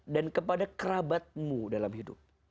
dan kepada kerabatmu dalam hidup